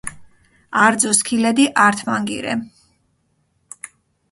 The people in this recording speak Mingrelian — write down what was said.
არძო სქილედი ართმანგი რე.